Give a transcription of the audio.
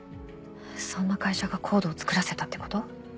そんな会社がＣＯＤＥを作らせたってこと？